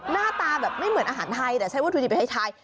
หน้าตาแบบไม่เหมือนอาหารไทยแต่ใช้วัตถุดิบไปไทย